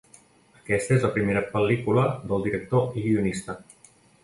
Aquesta és la primera pel·lícula del director i guionista.